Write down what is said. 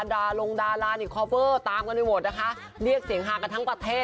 ดารงดารานิคอเวอร์ตามกันไปหมดนะคะเรียกเสียงฮากันทั้งประเทศ